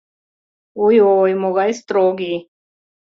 Ой, ой, могай строгий.